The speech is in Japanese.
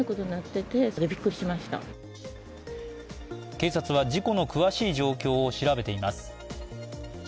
警察は事故の詳しい状況を調べています。